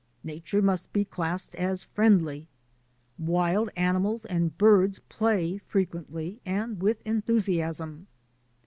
Nature must be classed as friendly. Wild animals and birds play frequently and with enthusiasm.